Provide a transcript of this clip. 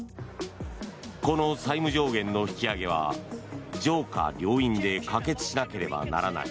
この債務上限の引き上げは上下両院で可決しなければならない。